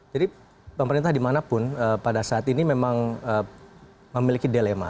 jadi pemerintah dimanapun pada saat ini memang memiliki dilema